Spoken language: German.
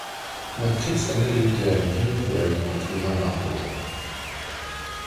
Nach Kriegsende lebte er in Wien, wo er die Matura nachholte.